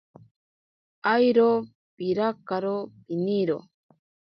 Airo pirakaro piniro.